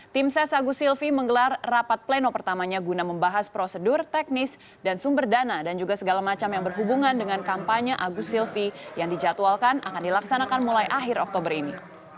tim ses agus silvi menggelar rapat pleno pertamanya guna membahas prosedur teknis dan sumber dana dan juga segala macam yang berhubungan dengan kampanye agus silvi yang dijadwalkan akan dilaksanakan mulai akhir oktober ini